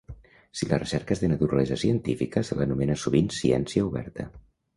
Si la recerca és de naturalesa científica, se l'anomena sovint ciència oberta.